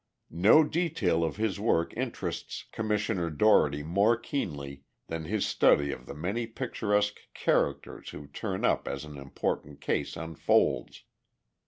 No detail of his work interests Commissioner Dougherty more keenly than his study of the many picturesque characters who turn up as an important case unfolds.